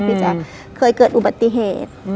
พี่แจ๊คเคยเกิดอุบัติเหตุ